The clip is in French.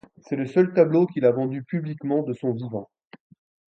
C'est le seul tableau qu'il a vendu publiquement de son vivant.